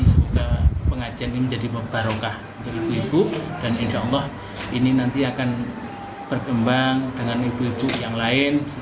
semoga pengajian ini menjadi barokah ibu ibu dan insya allah ini nanti akan berkembang dengan ibu ibu yang lain